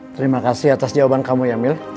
terima kasih atas jawaban kamu yamil